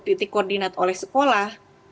titik koordinat oleh sekolah